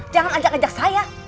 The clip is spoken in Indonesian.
jangan ajak ajak saya